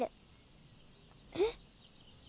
えっ。